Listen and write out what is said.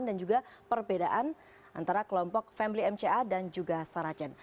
dan juga perbedaan antara kelompok family mca dan juga sarah chen